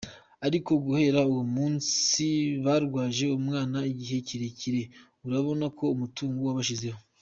Ariko guhera uwo munsi barwaje umwana igihe kirekire urabona ko umutungo wabashizeho.